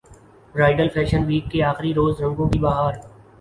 bridal fashion week کے اخری روز رنگوں کی بہار